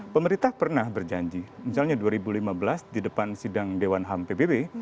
pemerintah pernah berjanji misalnya dua ribu lima belas di depan sidang dewan ham pbb